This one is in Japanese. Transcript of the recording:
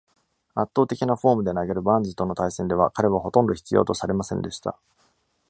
圧倒的なフォームで投げるバーンズとの対戦では、彼はほとんど必要とされませんでした。